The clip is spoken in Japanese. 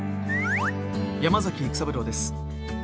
山崎育三郎です。